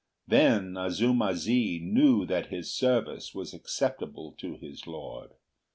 Then Azuma zi knew that his service was acceptable to his Lord.